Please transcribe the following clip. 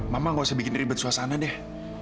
mama gak usah bikin ribet suasana deh